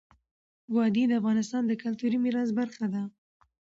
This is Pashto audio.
وادي د افغانستان د کلتوري میراث برخه ده.